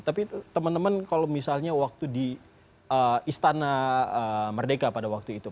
tapi teman teman kalau misalnya waktu di istana merdeka pada waktu itu